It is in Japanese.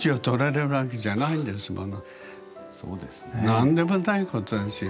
何でもないことですよ。